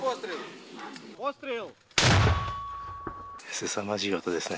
すさまじい音ですね。